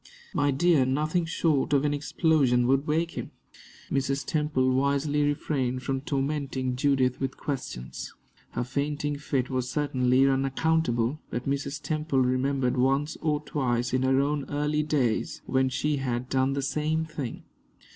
"My dear, nothing short of an explosion would wake him." Mrs. Temple wisely refrained from tormenting Judith with questions. Her fainting fit was certainly unaccountable, but Mrs. Temple remembered once or twice in her own early days when she had done the same thing.